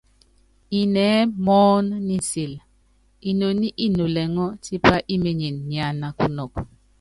Inɛɛ́ mɔɔ́n nisil, inoní í nulɛŋɔn tipá ímenyen niana kunɔk.